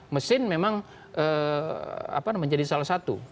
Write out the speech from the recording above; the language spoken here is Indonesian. mesin memang menjadi salah satu